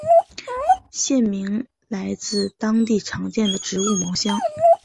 县名来自当地常见的植物茅香。